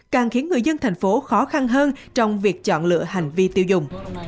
càng khiến người dân thành phố khó khăn hơn trong việc chọn lựa hành vi tiêu dùng